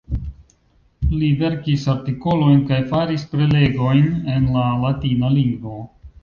Li verkis artikolojn kaj faris prelegojn en la latina lingvo.